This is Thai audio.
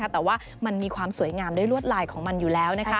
แต่ว่ามันมีความสวยงามด้วยลวดลายของมันอยู่แล้ว